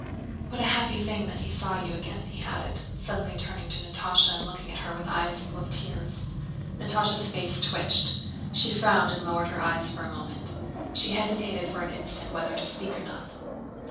What a happy thing that he saw you again," he added, suddenly turning to Natásha and looking at her with eyes full of tears. Natásha's face twitched. She frowned and lowered her eyes for a moment. She hesitated for an instant whether to speak or not.